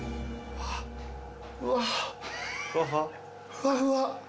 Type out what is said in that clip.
ふわふわ！